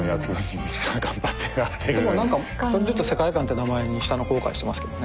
でも何かそれで言うと世界観って名前にしたの後悔してますけどね。